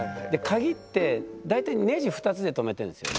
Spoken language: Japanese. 鍵って大体ネジ２つで留めてるんですよ。